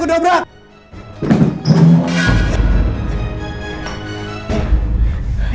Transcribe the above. karena tadi selama tadi